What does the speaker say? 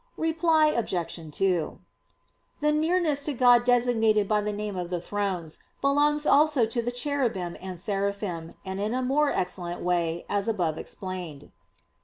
Reply Obj. 2: The nearness to God designated by the name of the "Thrones," belongs also to the "Cherubim" and "Seraphim," and in a more excellent way, as above explained.